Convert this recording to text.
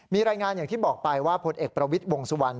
มีรายงานอย่างที่บอกไปว่าพลเอกประวิทย์วงสุวรรณ